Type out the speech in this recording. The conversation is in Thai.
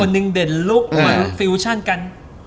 มันหนึ่งเด็ดล็อคมันฟิวชั่นกัน